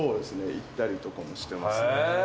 行ったりとかもしてますね。